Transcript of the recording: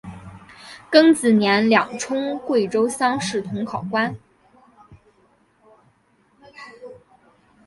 庚子年两充贵州乡试同考官。